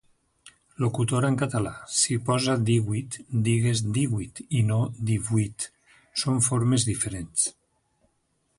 Locutora en català, si posa 'díhuit' digues 'díhuit' i no 'divuit'. Són formes diferents.